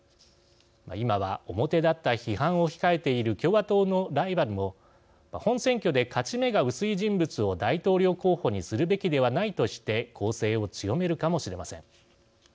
今は表立った批判を控えている共和党のライバルも本選挙で勝ち目が薄い人物を大統領候補にするべきではないとして攻勢を強めるかもしれません。